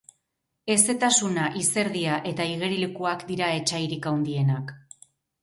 Hezetasuna, izerdia eta igerilekuak dira etsairik handienak.